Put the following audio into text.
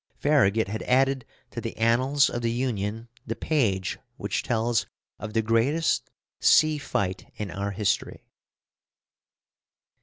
Farragut had added to the annals of the Union the page which tells of the greatest sea fight in our history.